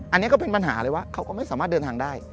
อันนี้ก็เป็นปัญหาเลยว่าเขาก็ไม่สามารถเดินทางได้